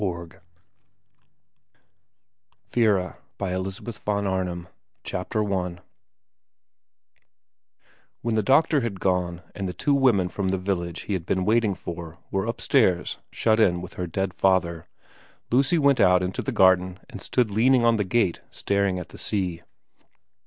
MARTIN'S STREET, LONDON 192 i COPYRIGHT WHEN the doctor had gone, and the two women from the village he had been waiting for were upstairs shut in with her dead father, Lucy went out into the garden and stood leaning on the gate staring at the sea.